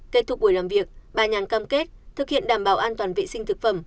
kết thúc buổi làm việc bà nhàn cam kết thực hiện đảm bảo an toàn vệ sinh thực phẩm